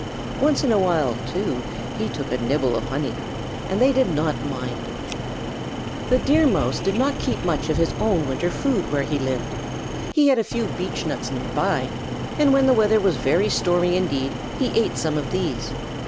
Once in a while, too, he took a nibble of honey, and they did not mind. The Deer Mouse did not keep much of his own winter food where he lived. He had a few beechnuts near by, and when the weather was very stormy indeed he ate some of these.